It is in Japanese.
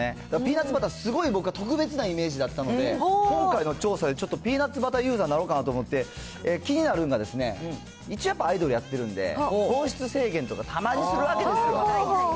だから、ピーナッツバター、すごい僕は特別なイメージだったので、今回の調査でちょっと、ピーナッツバターユーザーになろうかなと思って、気になるのが、一応やっぱアイドルやってるんで、糖質制限とか、たまにするわけですよ。